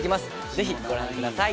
ぜひご覧ください